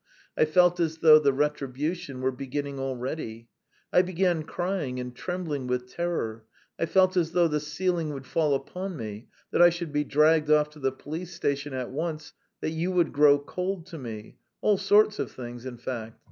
I felt as though the retribution were beginning already; I began crying and trembling with terror. I felt as though the ceiling would fall upon me, that I should be dragged off to the police station at once, that you would grow cold to me all sorts of things, in fact!